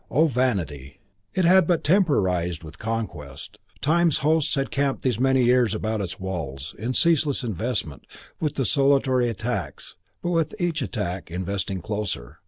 O vanity! It had but temporised with conquest. Time's hosts had camped these many years about its walls, in ceaseless investment, with desultory attacks, but with each attack investing closer.